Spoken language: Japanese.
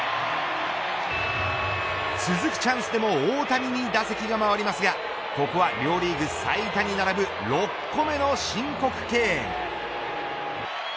続くチャンスでも大谷に打席が回りますがここは両リーグ最多に並ぶ６個目の申告敬遠。